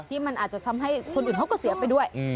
ที่มันอาจจะทำให้คนอื่นเขาก็เสียไปด้วย